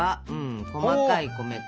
細かい米粉。